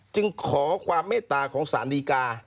จึงขอความเมตตาของสารดีกา